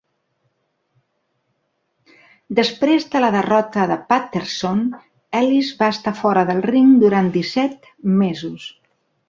Després de la derrota de Patterson, Ellis va estar fora del ring durant disset mesos.